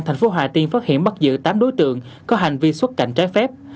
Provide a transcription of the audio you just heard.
thành phố hà tiên phát hiện bắt giữ tám đối tượng có hành vi xuất cảnh trái phép